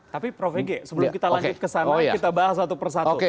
tapi prof ege sebelum kita lanjut ke sana kita bahas satu persatu